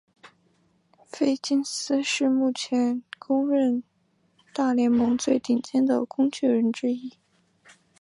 菲金斯是目前公认大联盟最顶尖的工具人之一。